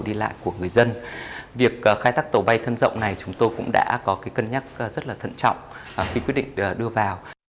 đi lại của người dân việc khai thác tàu bay thân rộng này chúng tôi cũng đã có cái cân nhắc rất là thận trọng khi quyết định đưa vào